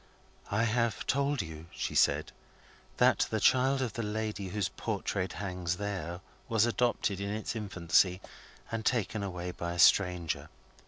"I have told you," she said, "that the child of the lady whose portrait hangs there, was adopted in its infancy, and taken away by a stranger.